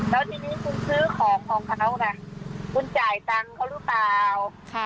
แล้วทีนี้คุณซื้อของเขาค่ะคุณจ่ายตังค์เขารู้เปล่าค่ะ